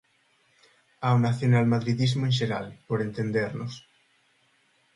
Ao nacionalmadridismo en xeral, por entendernos.